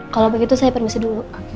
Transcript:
kalau begitu saya permisi dulu